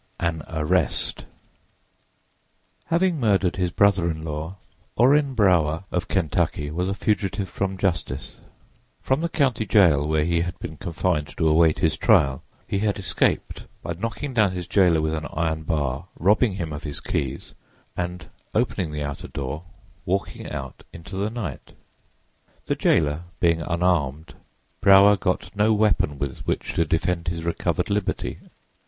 AN ARREST HAVING murdered his brother in law, Orrin Brower of Kentucky was a fugitive from justice. From the county jail where he had been confined to await his trial he had escaped by knocking down his jailer with an iron bar, robbing him of his keys and, opening the outer door, walking out into the night. The jailer being unarmed, Brower got no weapon with which to defend his recovered liberty.